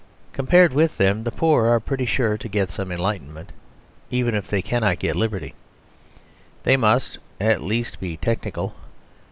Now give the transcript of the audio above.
Compared with them, the poor are pretty sure to get some enlightenment, even if they cannot get liberty; they must at least be technical.